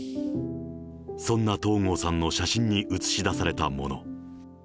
そんな東郷さんの写真に写し出されたもの。